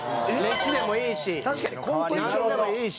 飯でもいいしなんでもいいし。